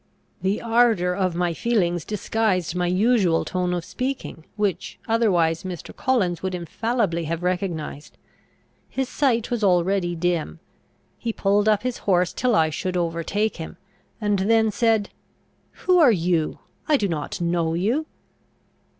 The ardour of my feelings disguised my usual tone of speaking, which otherwise Mr. Collins would infallibly have recognised. His sight was already dim; he pulled up his horse till I should overtake him; and then said, "Who are you? I do not know you."